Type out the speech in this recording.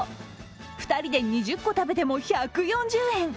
２人で２０個食べても１４０円。